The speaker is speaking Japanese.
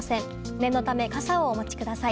念のため、傘をお持ちください。